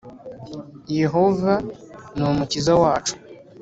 Yehova ni umukiza wacu